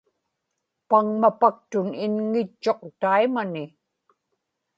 paŋmapaktun inŋitchuq taimani